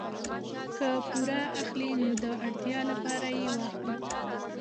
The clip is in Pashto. که پور اخلئ نو د اړتیا لپاره یې واخلئ.